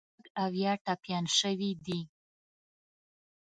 شپږ اویا ټپیان شوي دي.